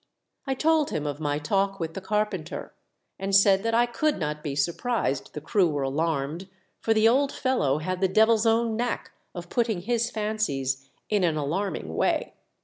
I told him of my talk with the carpenter, and said that I could not be surprised the crew were alarmed, for the old fellow had the Devil's own knack of putting his fancies in an alarming way.